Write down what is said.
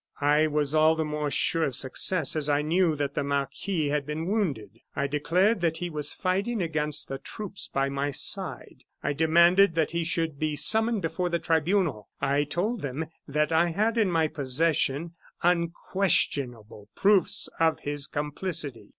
I was all the more sure of success as I knew that the marquis had been wounded. I declared that he was fighting against the troops by my side; I demanded that he should be summoned before the tribunal; I told them that I had in my possession unquestionable proofs of his complicity."